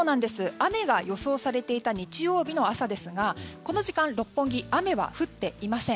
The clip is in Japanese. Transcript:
雨が予想されていた日曜日の朝ですがこの時間、六本木雨は降っていません。